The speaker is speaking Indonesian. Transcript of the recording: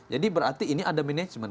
berarti ini ada manajemen